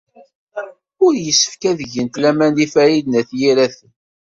Ur yessefk ad gent laman deg Farid n At Yiraten.